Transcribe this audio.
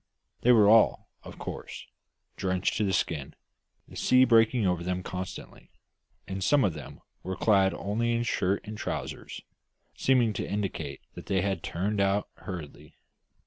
They were all, of course, drenched to the skin, the sea breaking over them constantly; and some of them were clad only in shirt and trousers, seeming to indicate that they had turned out hurriedly.